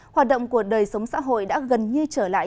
hoạt động của đời sống xã hội đã gần như trở lại